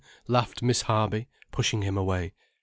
_" laughed Miss Harby, pushing him away.